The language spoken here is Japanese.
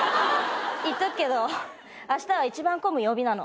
言っとくけどあしたは一番混む曜日なの。